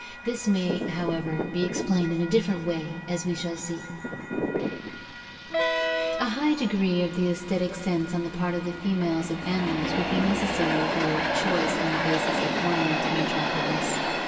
This may, however, be explained in a different way, as we shall see (page 126). A high degree of the aesthetic sense on the part of the females of animals would be necessary for choice on a basis of ornament and attractiveness.